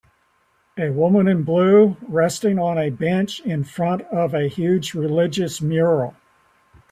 A woman in blue resting on a bench in front of a huge religious mural